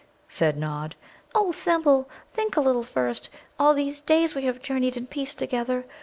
said Nod. "O Thimble, think a little first! All these days we have journeyed in peace together.